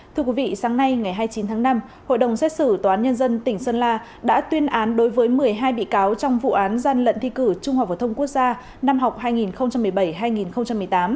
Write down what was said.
thưa quý vị sáng nay ngày hai mươi chín tháng năm hội đồng xét xử tòa án nhân dân tỉnh sơn la đã tuyên án đối với một mươi hai bị cáo trong vụ án gian lận thi cử trung học phổ thông quốc gia năm học hai nghìn một mươi bảy hai nghìn một mươi tám